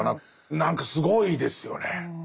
何かすごいですよね。